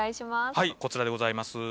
はいこちらでございます。